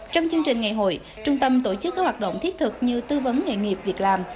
trong chương trình ngày hội trung tâm tổ chức các hoạt động thiết thực như tư vấn nghề nghiệp việc làm